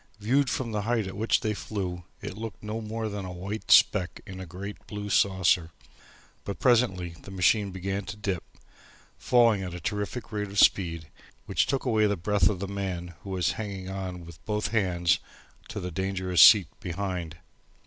Viewed from the height at which they flew it looked no more than a white speck in a great blue saucer, but presently the machine began to dip, falling at a terrific rate of speed, which took away the breath of the man who was hanging on with both hands to the dangerous seat behind.